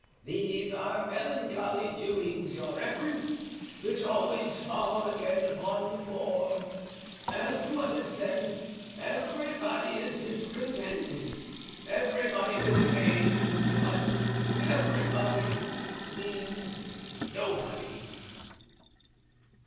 "These are melancholy doings, your reverence, which always fall again upon the poor. As to what is said, everybody is discontented, everybody complains, but 'everybody' means 'nobody.